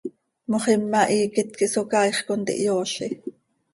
Moxima hiiquet quih Socaaix contihyoozi.